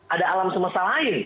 ada alam semesta lain